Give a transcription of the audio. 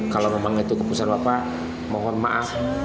kalau memang itu keputusan bapak mohon maaf